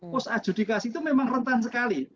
pos adjudikasi itu memang rentan sekali